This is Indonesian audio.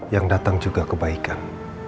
yang datang juga kebaikan